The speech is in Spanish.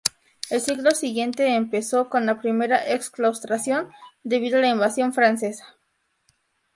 El siglo siguiente empezó con la primera exclaustración, debido a la invasión francesa.